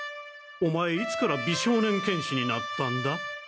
オマエいつから美少年剣士になったんだ？